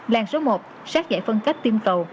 làng số một sát giải phân cách tiêm cầu